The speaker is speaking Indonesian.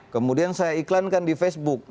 kemudian saya iklankan di facebook